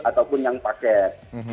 ataupun yang paket